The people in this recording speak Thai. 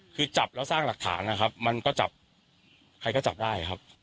คือจับแล้วสร้างหลักฐานนะครับมันก็จับใครก็จับได้ครับ